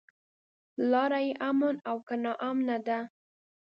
لاره يې امن او که ناامنه ده.